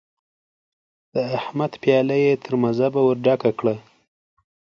د احمد پياله يې تر مذبه ور ډکه کړه.